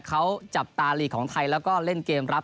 เขาจับตาลีกของไทยแล้วก็เล่นเกมรับ